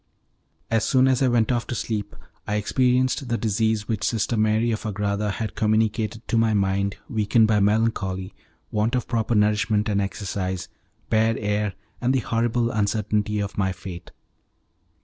As soon as I went off to sleep I experienced the disease which Sister Mary of Agrada had communicated to my mind weakened by melancholy, want of proper nourishment and exercise, bad air, and the horrible uncertainty of my fate.